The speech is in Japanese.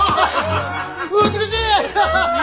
美しい！